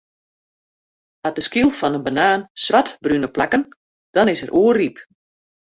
Hat de skyl fan 'e banaan swartbrune plakken, dan is er oerryp.